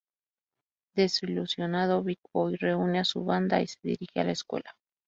Desilusionado, Big Boi reúne a su banda y se dirige a la escuela.